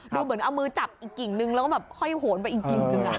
ดูเหมือนเอามือจับอีกกิ่งนึงแล้วก็แบบห้อยโหนไปอีกกิ่งนึง